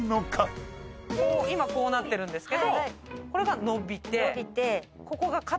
今こうなってるんですけどこれが伸びてここが。